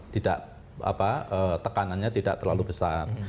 tidak tekanannya tidak terlalu besar